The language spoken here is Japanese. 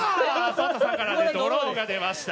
ＳＯＴＡさんからねドローが出ました。